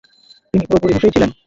তিনি পুরোপুরি হুঁশেই ছিলেন।